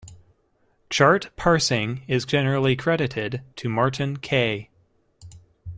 Chart parsing is generally credited to Martin Kay.